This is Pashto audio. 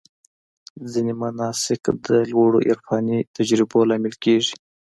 ځینې مناسک د لوړو عرفاني تجربو لامل کېږي.